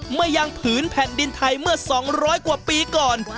เมื่อยังผืนแผ่นดินไทยเมื่อ๒๐๐กว่าปีก่อน